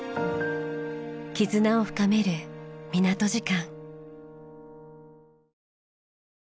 絆を深める港時間。